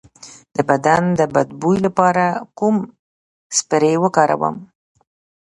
د بدن د بد بوی لپاره کوم سپری وکاروم؟